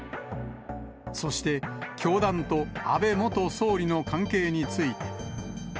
そして、教団と安倍元総理の関係について。